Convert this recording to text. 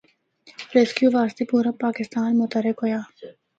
ریسکیو واسطے پورا پاکستان متحرک ہویا۔